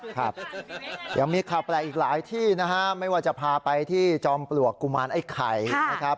ครับยังมีข่าวแปลกอีกหลายที่นะฮะไม่ว่าจะพาไปที่จอมปลวกกุมารไอ้ไข่นะครับ